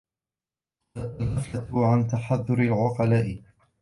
الْغَفْلَةُ عَنْ تَحَذُّرِ الْعُقَلَاءِ